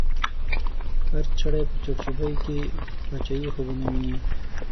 هر چړی په چړچوبۍ کی، باچایې خوبونه وینې